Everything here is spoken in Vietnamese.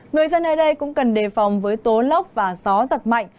người dân ở đây cũng cần đề phòng với tố lốc và gió giật mạnh